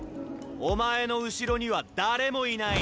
お前の後ろには誰もいない。